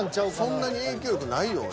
そんなに影響力ないよ俺。